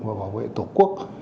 và bảo vệ tổ quốc